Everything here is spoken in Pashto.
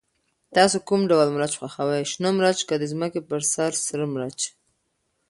تاسو کوم ډول مرچ خوښوئ، شنه مرچ که د ځمکې په سر سره مرچ؟